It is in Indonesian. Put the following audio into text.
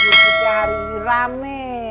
lo sudah berani